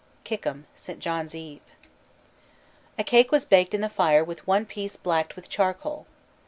KICKHAM: St. John's Eve. A cake was baked in the fire with one piece blacked with charcoal.